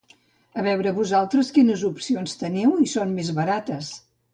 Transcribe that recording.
A veure vosaltres quines opcions teniu i si són més barates.